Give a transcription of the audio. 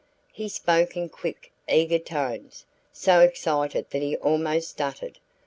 He spoke in quick, eager tones, so excited that he almost stuttered.